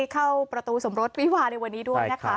เข้าประตูสมรสวิวาในวันนี้ด้วยนะคะ